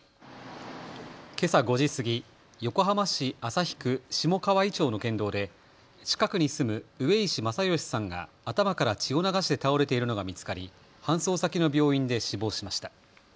けさ５時過ぎ、横浜市旭区下川井町の県道で近くに住む上石正義さんが頭から血を流して倒れているのが見つかり搬送先の病院で死亡しました。